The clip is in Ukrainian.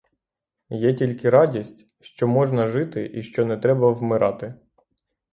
Є тільки радість, що можна жити і що не треба вмирати.